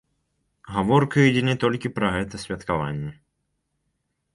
Гаворка ідзе не толькі пра гэта святкаванні.